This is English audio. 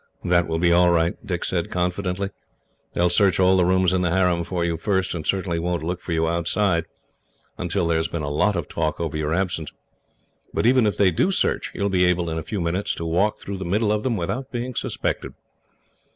"That will be all right," Dick said confidently. "They will search all the rooms in the harem for you, first, and certainly won't look for you outside, until there has been a lot of talk over your absence. But even if they do search, you will be able, in a few minutes, to walk through the middle of them without being suspected.